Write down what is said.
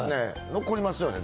残りますよね。